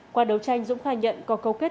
qua đấu tranh dũng khai nhận có câu kết